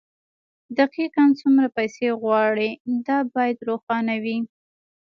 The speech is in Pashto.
دقيقاً څومره پيسې غواړئ دا بايد روښانه وي.